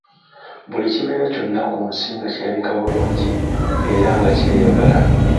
Buli kimera kyonna ku nsi nga kirabika bulungi era nga kyeyagala.